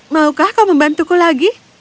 maukah kau membantuku lagi